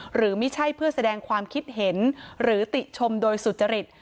หรือไม่ใช่เพื่อแสดงความคิดเห็นหรือติชมโดยสุจริต